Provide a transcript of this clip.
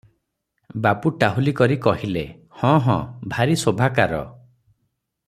ବାବୁ ଟାହୁଲି କରି କହିଲେ - ହଁ, ହଁ, ଭାରି ଶୋଭାକାର ।